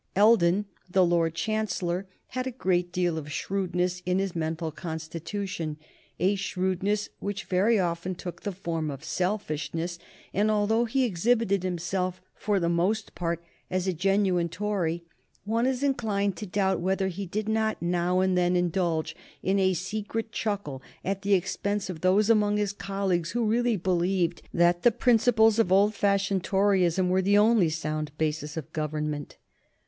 Eldon, the Lord Chancellor, had a great deal of shrewdness in his mental constitution, a shrewdness which very often took the form of selfishness; and although he exhibited himself for the most part as a genuine Tory, one is inclined to doubt whether he did not now and then indulge in a secret chuckle at the expense of those among his colleagues who really believed that the principles of old fashioned Toryism were the only sound principles of government.